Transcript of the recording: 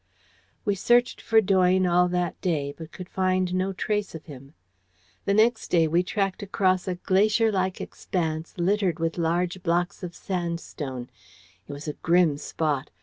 "We searched for Doyne all that day, but could find no trace of him. The next day we tracked across a glacier like expanse littered with large blocks of sandstone. It was a grim spot.